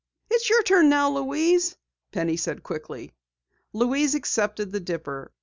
"It's your turn now, Louise," Penny said quickly. Louise accepted the dipper.